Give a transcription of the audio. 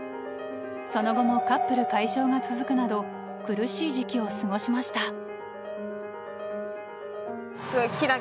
その後もカップル解消が続くなど苦しい時期を過ごしました。